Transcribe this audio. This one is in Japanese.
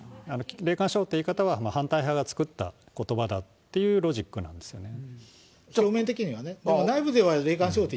霊感商法って言い方は、反対派が作ったことばだというロジックなんですよね。